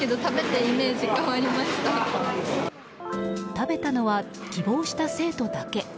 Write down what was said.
食べたのは希望した生徒だけ。